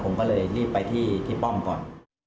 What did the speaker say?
ผมก็เลยรีบไปที่ป้อมก่อน